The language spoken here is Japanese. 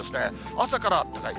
朝からあったかい。